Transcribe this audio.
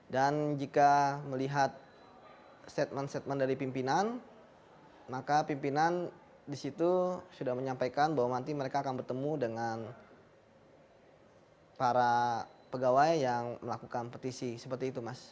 dan jika melihat statement statement dari pimpinan maka pimpinan di situ sudah menyampaikan bahwa nanti mereka akan bertemu dengan para pegawai yang melakukan petisi seperti itu mas